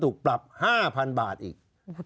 ถูกปรับ๕๐๐๐บาทอีก